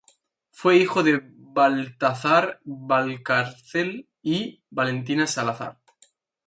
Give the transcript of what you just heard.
Fue hijo de Baltazar Valcárcel y Valentina Salazar.